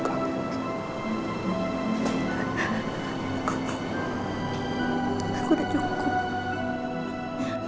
aku tak cukup